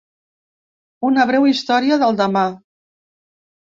Una breu història del demà.